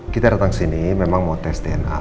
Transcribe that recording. kita datang sini memang mau tes dna